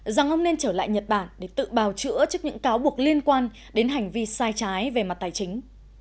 rằng ông nên trở lại nhật bản để tự bào chữa trước những cáo buộc liên quan đến hành vi sai trái về mặt tài chính